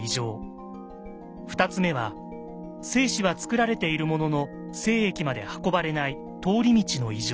２つ目は精子はつくられているものの精液まで運ばれない通り道の異常。